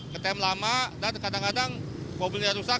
ketem lama dan kadang kadang mobilnya rusak